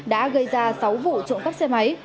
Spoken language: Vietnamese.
đã gây ra sáu vụ trộn cắp xe máy